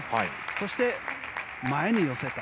そして、前に寄せて。